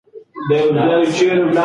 پاکه هوا تر ککړې هوا غوره ده.